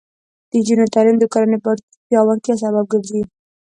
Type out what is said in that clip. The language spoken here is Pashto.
د نجونو تعلیم د کورنۍ پیاوړتیا سبب ګرځي.